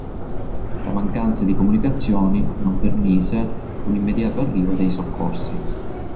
La mancanza di comunicazioni non permise un immediato arrivo dei soccorsi.